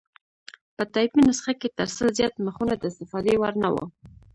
په ټایپي نسخه کې تر سل زیات مخونه د استفادې وړ نه وو.